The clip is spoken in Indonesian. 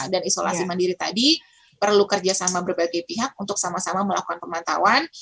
dan isolasi mandiri tadi perlu kerjasama berbagai pihak untuk sama sama melakukan pemantauan